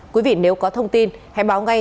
quý vị nếu có thông tin hãy báo ngay